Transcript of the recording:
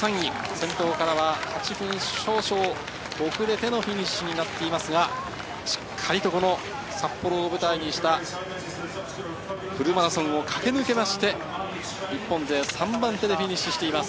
先頭からは８分少々遅れてのフィニッシュになっていますが、しっかりと札幌を舞台にしたフルマラソンを駆け抜けまして、日本勢３番手でフィニッシュしています。